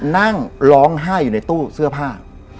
นั่งร้องไห้อยู่ในตู้เสื้อผ้า